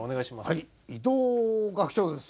はい伊藤学長です。